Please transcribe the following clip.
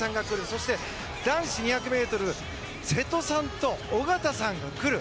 そして、男子２００ｍには瀬戸さんと小方さんが来る。